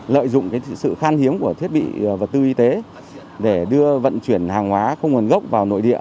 lợi dụng sự khan hiếm của thiết bị vật tư y tế để đưa vận chuyển hàng hóa không nguồn gốc vào nội địa